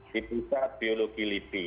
di pusat biologi libi